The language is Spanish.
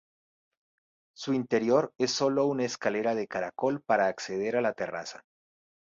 Su interior es sólo una escalera de caracol para acceder a la terraza.